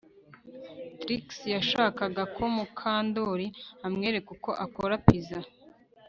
Trix yashakaga ko Mukandoli amwereka uko akora pizza